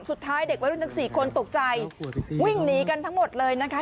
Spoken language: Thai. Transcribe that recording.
สุดท้ายเด็กวัยรุ่นทั้งสี่คนตกใจวิ่งหนีกันทั้งหมดเลยนะคะ